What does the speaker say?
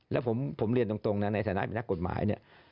แล้วผมเรียนตรงนะในฐานะเป็นนักกฎหมายเนี่ย